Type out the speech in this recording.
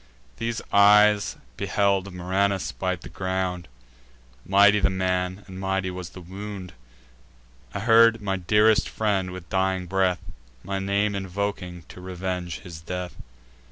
These eyes beheld Murranus bite the ground: Mighty the man, and mighty was the wound. I heard my dearest friend, with dying breath, My name invoking to revenge his death.